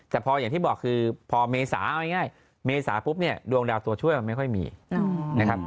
แต่พออย่างที่บอกคือพอเมษาเอาง่ายเมษาปุ๊บเนี่ยดวงดาวตัวช่วยมันไม่ค่อยมีนะครับ